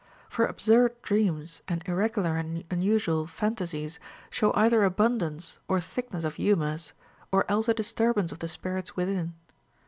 For absurd dreams and irregular and unusual fantasies show either abun dance or thickness of humors, or else a disturbance of the spirits within.